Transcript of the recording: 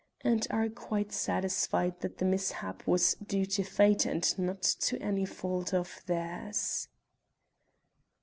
and are quite satisfied that the mishap was due to fate and not to any fault of theirs.